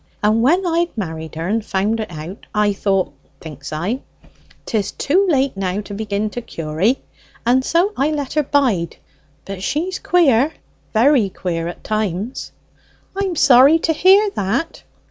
And when I'd married her and found it out, I thought, thinks I, ''Tis too late now to begin to cure 'e;' and so I let her bide. But she's queer, very queer, at times!" "I'm sorry to hear that."